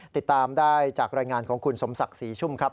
ติดตามได้จากรายงานของคุณสมศักดิ์ศรีชุ่มครับ